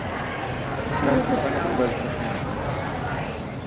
Es kam zu keiner Umweltverschmutzung.